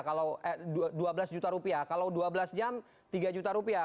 kalau dua belas jam tiga juta rupiah